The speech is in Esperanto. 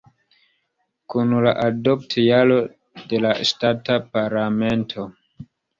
Kun la adopt-jaro de la ŝtata parlamento.